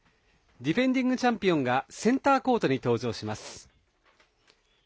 ディフェンディングチャンピオンがセンターコートに登場します。